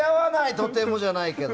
とてもじゃないけど。